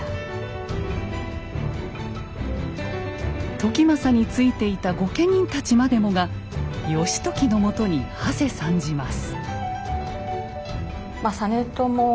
時政についていた御家人たちまでもが義時のもとにはせ参じます。